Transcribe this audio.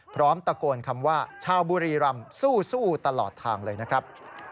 พร้อมตะโกนคำว่าชาวบุรีรำสู้ตลอดทางเลยนะครับ